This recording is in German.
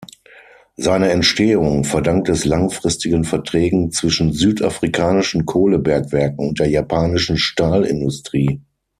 Seine Entstehung verdankt es langfristigen Verträgen zwischen südafrikanischen Kohlebergwerken und der japanischen Stahlindustrie.